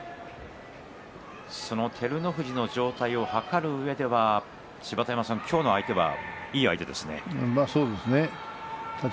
照ノ富士の状態を図るうえでは今日の相手はいい相手ですね。